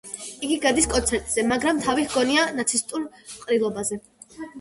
იგი გადის კონცერტზე, მაგრამ თავი ჰგონია ნაცისტურ ყრილობაზე.